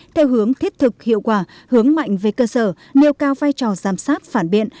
theo hướng thiết thực hiệu quả hướng mạnh về cơ sở nêu cao vai trò giám sát phản biện